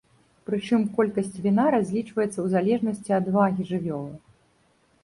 Прычым колькасць віна разлічваецца ў залежнасці ад вагі жывёлы.